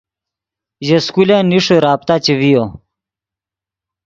ژے سکولن نیݰے رابطہ چے ڤیو